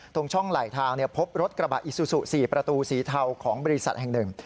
ตรงช่องไหลทางพบรถกระบะอิซูซู๔ประตูสีเทาของบริษัทแห่งหนึ่ง